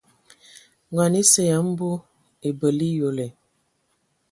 Ngɔn esə ya mbu ebələ eyole.